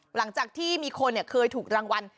หลังจากที่มีคนเคยถูกรางวัล